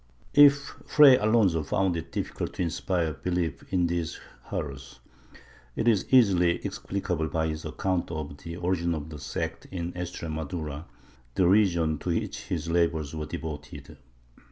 If Fray Alonso found it difficult to inspire belief in these horrors, it is easily explicable by his account of the origin of the sect in Extremadura, the region to which his labors were devoted.